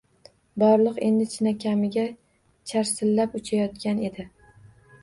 Borliq endi chinakamiga charsillab uchayotgan edi.